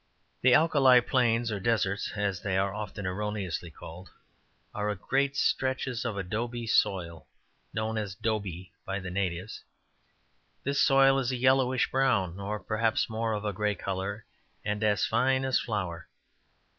The alkali plains, or deserts, as they are often erroneously called, are great stretches of adobe soil, known as "dobie" by the natives. This soil is a yellowish brown, or perhaps more of a gray color, and as fine as flour.